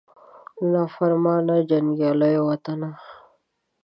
د نافرمانه جنګیالو وطنه